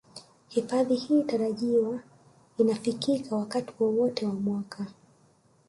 Hifadhi hii tarajiwa inafikika wakati wowote wa mwaka